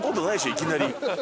いきなり。